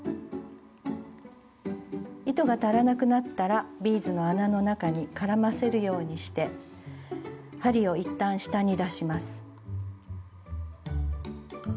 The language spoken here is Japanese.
糸が足らなくなったらビーズの穴の中に絡ませるようにして針を一旦下に出します。